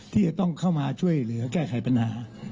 ที่จะต้องเข้ามาช่วยเหลือแก้ไขปัญหา